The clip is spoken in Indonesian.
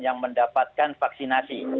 yang mendapatkan vaksinasi